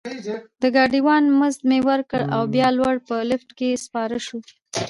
د ګاډي وان مزد مې ورکړ او بیا لوړ په لفټ کې سپاره شوو.